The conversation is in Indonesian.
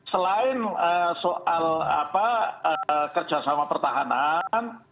selain soal kerjasama pertahanan